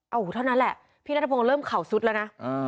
โอ้โหเท่านั้นแหละพี่นัทพงศ์เริ่มเข่าซุดแล้วนะ